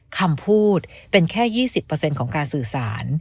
คำพูดเป็นแค่๒๐ของการสื่อสาร